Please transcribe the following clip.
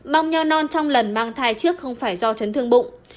mong nho non trong lần mang thai trước không phải do chấn thương bụng